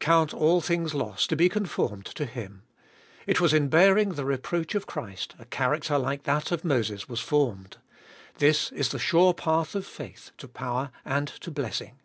Count all things loss to be conformed to Him. It was in bearing the reproach of Christ a character like that of Moses was formed. This is the sure path of faith to power and to blessing.